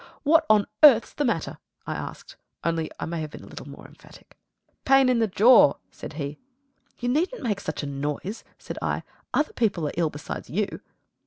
"What on earth's the matter?" I asked, only I may have been a little more emphatic. "Pain in the jaw," said he. "You needn't make such a noise," said I; "other people are ill besides you."